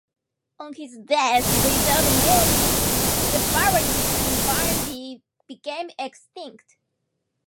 On his death without male issue, the barony of Barnby became extinct.